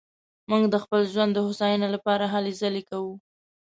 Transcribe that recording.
موږ د خپل ژوند د هوساينې لپاره هلې ځلې کوو